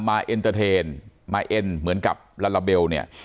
เอ็นเตอร์เทนมาเอ็นเหมือนกับลาลาเบลเนี่ย